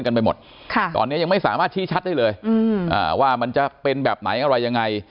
กันไปหมดตอนนี้ยังไม่สามารถชี้ชัดได้เลยว่ามันจะเป็นแบบไหนอะไรยังไง